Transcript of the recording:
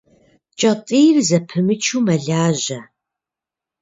Кӏэтӏийр зэпымычу мэлажьэ.